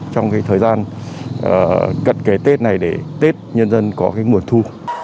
trong thời gian gần kể tết này để tết nhân dân có nguồn thu